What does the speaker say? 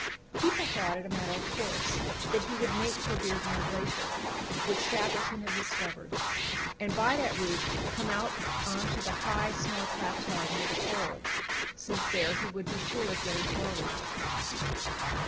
People thought it a matter of course that he would make for Beardmore Glacier, which Shackleton had discovered, and by that route come out on to the high snow plateau near the Pole, since there he would be sure of getting forward.